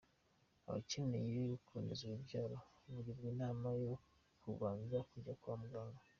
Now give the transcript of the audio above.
Abakeneye kuboneza urubyaro bagirwa inama yo kubanza kujya kwa muganga .